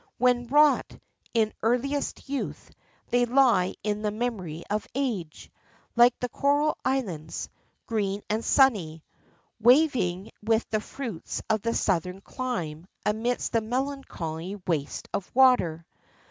When wrought in earliest youth, they lie in the memory of age, like the coral islands, green and sunny, waving with the fruits of a southern clime amidst the melancholy waste of water.